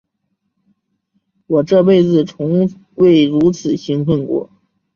我这辈子从未如此兴奋过。